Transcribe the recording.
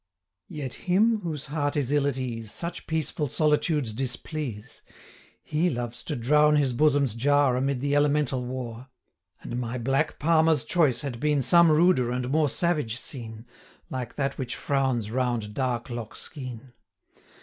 Yet him, whose heart is ill at ease, Such peaceful solitudes displease; He loves to drown his bosom's jar 235 Amid the elemental war: And my black Palmer's choice had been Some ruder and more savage scene, Like that which frowns round dark Loch skene.